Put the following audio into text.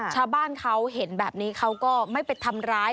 ชาวบ้านเขาเห็นแบบนี้เขาก็ไม่ไปทำร้าย